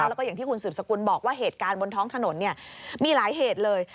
แล้วก็อย่างที่คุณสืบสกุลบอกว่าเหตุการณ์บนท้องถนนมีหลายเหตุเลย